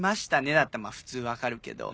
だったら普通分かるけど。